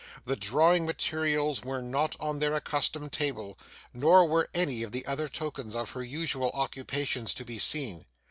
The drawing materials were not on their accustomed table, nor were any of the other tokens of her usual occupations to be seen.